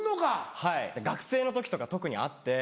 はい学生の時とか特にあって。